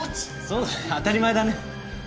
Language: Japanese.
そうだね当たり前だね。